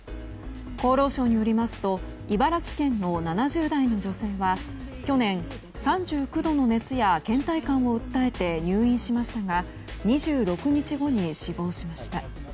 厚労省によりますと茨城県の７０代の女性は去年３９度の熱や倦怠感を訴えて入院しましたが２６日後に死亡しました。